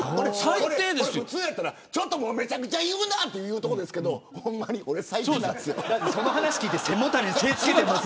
普通やったらめちゃくちゃ言うなってなるところですけどほんまに俺は最低なんです。